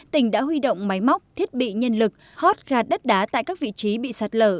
tỉnh đã huy động máy móc thiết bị nhân lực hót gạt đất đá tại các vị trí bị sạt lở